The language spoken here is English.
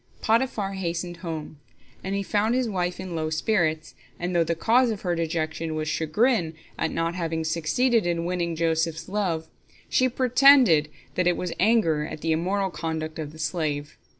Potiphar hastened home, and he found his wife in low spirits, and though the cause of her dejection was chagrin at not having succeeded in winning Joseph's love, she pretended that it was anger at the immoral conduct of the slave.